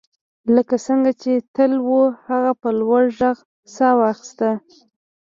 لکه څنګه چې تل وو هغه په لوړ غږ ساه واخیسته